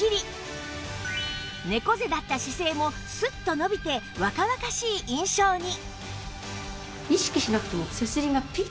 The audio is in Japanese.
猫背だった姿勢もスッと伸びて若々しい印象に